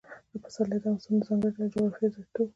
پسرلی د افغانستان د ځانګړي ډول جغرافیه استازیتوب کوي.